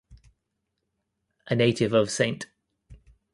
A native of St.